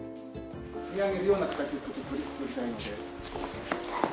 見上げるような形でちょっと撮りたいので。